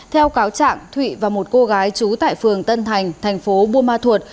theo cáo trạng thụy và một cô gái chú tại phường tân thành thành phố bua ma thuột